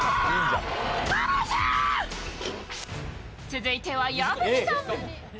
続いては矢吹さん。